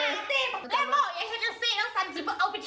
น้องหมา